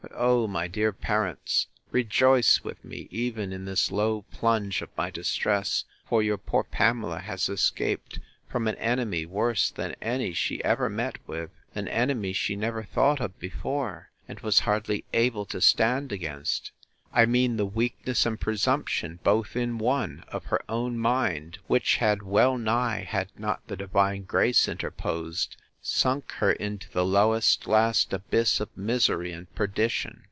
But, oh! my dear parents, rejoice with me, even in this low plunge of my distress; for your poor Pamela has escaped from an enemy worse than any she ever met with; an enemy she never thought of before, and was hardly able to stand against: I mean, the weakness and presumption, both in one, of her own mind; which had well nigh, had not the divine grace interposed, sunk her into the lowest, last abyss of misery and perdition!